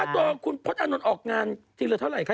ค่ะต่อคุณพจารย์ออกงานทีเหลือเท่าไหร่คะ